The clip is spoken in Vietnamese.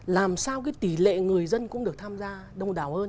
làm sao cái tỷ lệ người dân cũng được tham gia đông đảo hơn